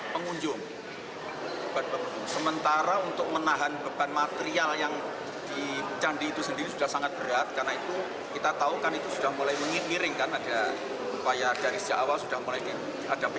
menurut muhadjir effendi menanggapi polemik kenaikan tarif kunjungan ke candi borobudur menjadi rp tujuh ratus lima puluh